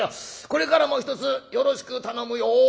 これからもひとつよろしく頼むよ。